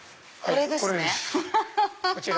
これです。